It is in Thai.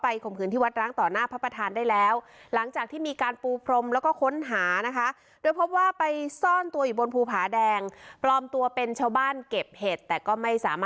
ไปขมคืนที่วัดล้างต่อหน้าพระประธานได้แล้วหลังจากที่มีการปูพรมแล้วก็ค้นหานะคะ